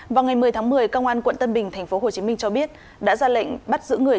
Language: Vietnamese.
vào ngày một mươi tháng một mươi công an quận tân bình tp hcm cho biết đã ra lệnh bắt giữ người